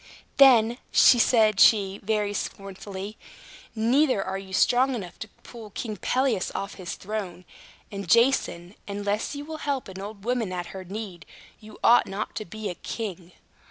"Then," said she, very scornfully, "neither are you strong enough to pull King Pelias off his throne. And, Jason, unless you will help an old woman at her need, you ought not to be a king.